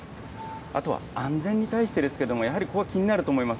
あとは安全に対してですけれども、やはりここ気になると思います。